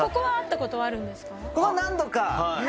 ここは何度かね。